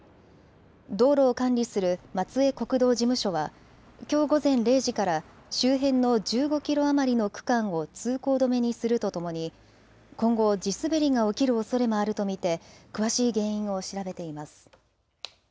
道路を管理する松江国道事務所はきょう午前０時から周辺の１５キロ余りの区間を通行止めにするとともに今後、地滑りが起きるおそれもあると見て詳しい原因を調べています。